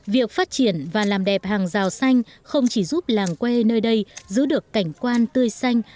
việc phát triển và làm đẹp hàng rào xanh không chỉ giúp làng quê nơi đây giữ được cảnh quan tươi xanh